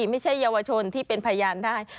ไม่ใช่เยาวชนที่เป็นพยานได้